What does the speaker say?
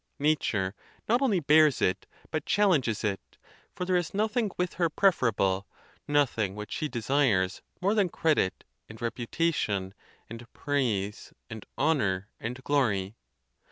Nature not only bears it, but challenges it, for there is nothing with her preferable, nothing which she desires more than credit, and reputation, and praise, and honor, and glory.